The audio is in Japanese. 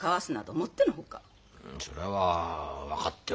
それは分かってはおるが。